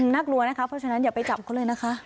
น่ากลัวนะคะเพราะฉะนั้นอย่าไปจับเขาเลยนะคะ